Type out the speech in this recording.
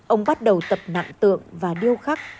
ông bắt đầu tập nặng tượng và điêu khắc